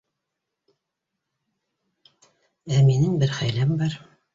Ә минең бер хәйләм бар.